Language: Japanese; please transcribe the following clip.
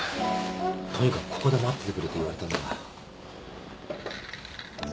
とにかくここで待っててくれと言われたんだが。